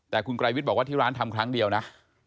แต่คุณไกรวิทย์บอกว่าที่ร้านทำครั้งเดียวนะ